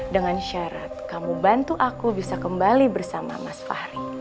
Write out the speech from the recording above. dengan syarat kamu bantu aku bisa kembali bersama mas fahri